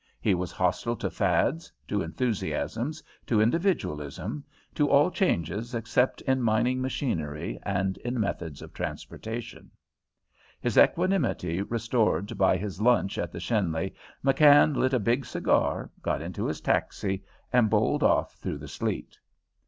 He was hostile to fads, to enthusiasms, to individualism, to all changes except in mining machinery and in methods of transportation. His equanimity restored by his lunch at the Schenley, McKann lit a big cigar, got into his taxi, and bowled off through the sleet.